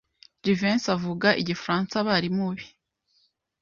Jivency avuga igifaransa abarimu be.